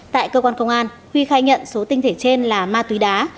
tại cơ quan công an huy khai nhận số tinh thể trên là ma túy đá